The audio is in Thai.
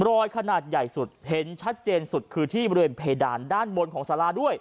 ขนาดใหญ่สุดเห็นชัดเจนสุดคือที่บริเวณเพดานด้านบนของสาราด้วย